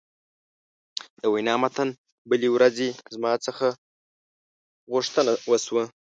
د وینا متن: بلې ورځې زما څخه غوښتنه وشوه.